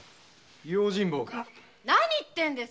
何言ってんです